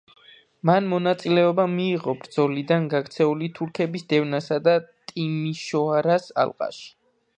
მან მონაწილეობა მიიღო ბრძოლიდან გაქცეული თურქების დევნასა და ტიმიშოარას ალყაში.